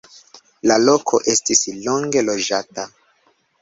La loko estis longe loĝata.